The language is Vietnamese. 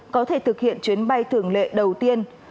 có thể thực hiện chuyến bay thường lệ đầu tiên